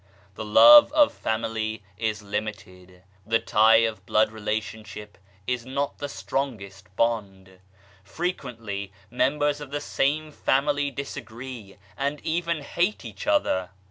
The love of family is limited ; the tie of blood relationship is not the strongest bond. Frequently members of the same family disagree, and even hate each other.